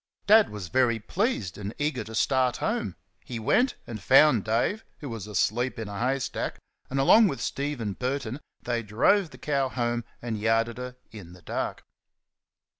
Dad was very pleased, and eager to start home. He went and found Dave, who was asleep in a hay stack, and along with Steven Burton they drove the cow home, and yarded her in the dark.